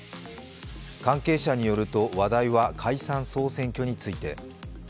関係者によると、話題は解散総選挙について。